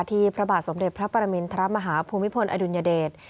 พระบาทสมเด็จพระปรมินทรมาฮาภูมิพลอดุลยเดช